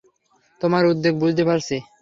তোমার উদ্বেগ বুঝতে পারছি।